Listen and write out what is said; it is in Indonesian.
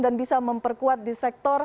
dan bisa memperkuat di sektor mobilisasi